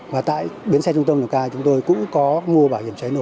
và tại bến xe trung tâm đồng cao chúng tôi cũng có mua bảo hiểm cháy nổ